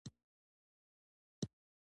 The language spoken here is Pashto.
صبر کول د غم د سپکولو لاره ده.